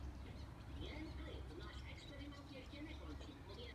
Následně vznikla také databáze lží politiků.